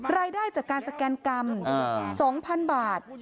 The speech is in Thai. รายได้จากการสแกนกรรม๒๐๐๐บาท